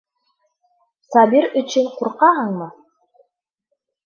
Сабир өчөн ҡурҡаһыңмы?